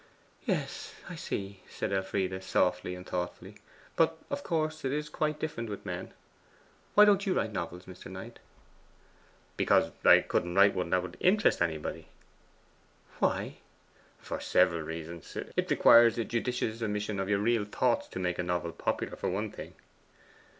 'Yes, I see,' said Elfride softly and thoughtfully. 'But of course it is different quite with men. Why don't you write novels, Mr. Knight?' 'Because I couldn't write one that would interest anybody.' 'Why?' 'For several reasons. It requires a judicious omission of your real thoughts to make a novel popular, for one thing.